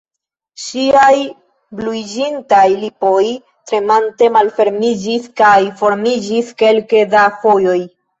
Ŝiaj bluiĝintaj lipoj, tremante malfermiĝis kaj fermiĝis kelke da fojoj.